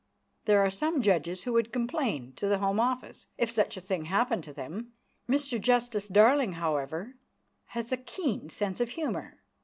There are some judges who would complain to the Home Office, if such a thing happened to them. Mr Justice Darling, however, has a keen sense of humour.